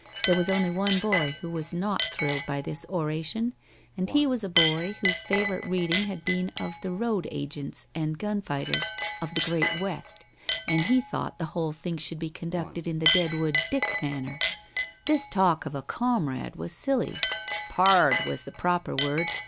There was only one boy who was not thrilled by this oration, and he was a boy whose favorite reading had been of the road agents and gun fighters of the great West, and he thought the whole thing should be conducted in the Deadwood Dick manner. This talk of a "comrade" was silly; "pard" was the proper word.